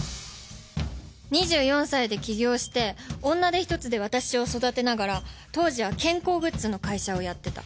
２４歳で起業して女手一つで私を育てながら当時は健康グッズの会社をやってた。